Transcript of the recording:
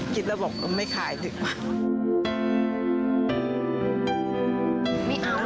คิดแล้วบอกว่าเราไม่ขายด้วยค่ะ